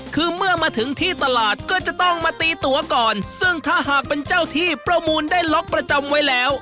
คือเมื่อมาถึงที่ตลาดก็จะต้องมาตีตัวก่อนซึ่งถ้าหากเป็นเจ้าที่ประมูลได้ล็อกประจำไว้แล้ว